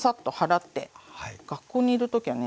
学校にいる時はね